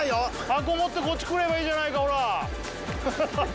箱持ってこっち来ればいいじゃないかほらハハハハ！